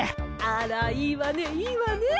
あらいいわねいいわね。